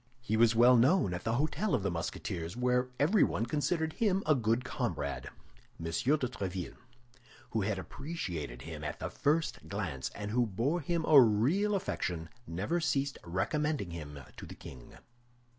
He was well known at the Hôtel of the Musketeers, where everyone considered him a good comrade. M. de Tréville, who had appreciated him at the first glance and who bore him a real affection, never ceased recommending him to the king.